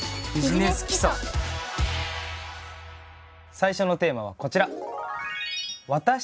最初のテーマはこちら。